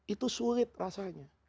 itu sulit rasanya